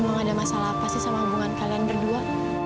emang ada masalah apa sih sama hubungan kalian berdua